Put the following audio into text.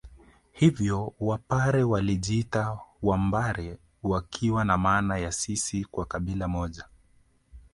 Hivyo Wapare walijiita Vambare wakiwa na maana ya sisi wa kabila moja